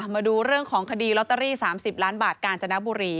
มาดูเรื่องของคดีลอตเตอรี่๓๐ล้านบาทกาญจนบุรี